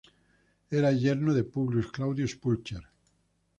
Era yerno de Publius Claudius Pulcher.